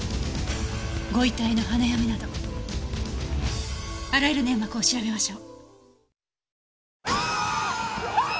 ご遺体の鼻や目などあらゆる粘膜を調べましょう。